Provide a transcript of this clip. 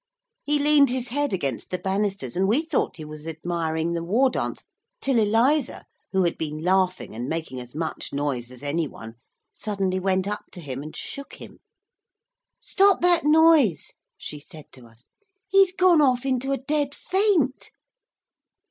He leaned his head against the banisters and we thought he was admiring the war dance, till Eliza, who had been laughing and making as much noise as any one, suddenly went up to him and shook him. 'Stop that noise,' she said to us, 'he's gone off into a dead faint.'